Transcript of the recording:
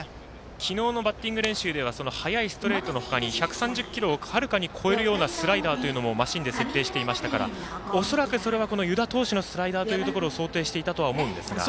昨日のバッティング練習では速いストレートの他に１３０キロをはるかに超えるようなスライダーもマシーンで設定していましたから恐らく、この湯田投手のスライダーというところを想定していたとは思うんですが。